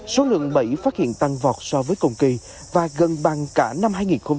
số lượng bẫy phát hiện tăng vọt so với cùng kỳ và gần bằng cả năm hai nghìn một mươi tám